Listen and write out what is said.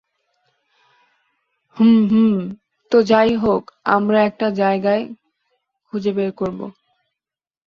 হুম, হুম, তো যাইহোক, আমরা একটা জায়গা খুঁজে বের করব।